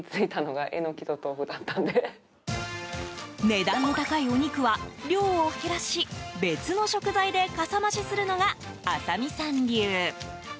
値段の高いお肉は量を減らし別の食材でかさ増しするのが麻美さん流。